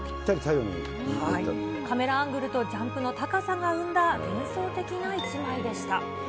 カメラアングルとジャンプの高さが生んだ幻想的な１枚でした。